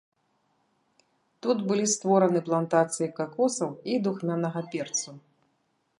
Тут былі створаны плантацыі какосаў і духмянага перцу.